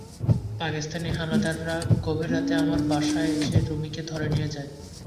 পাকিস্তানি হানাদাররা গভীর রাতে আমার বাসায় এসে রুমীকে ধরে নিয়ে যায়।